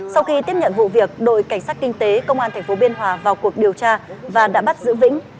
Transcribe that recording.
sau khi tiếp nhận vụ việc đội cảnh sát kinh tế công an thành phố biên hòa vào cuộc điều tra đã bắt giữ vĩnh